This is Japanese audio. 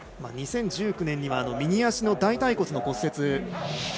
２０１９年には右足の大たい骨の骨折。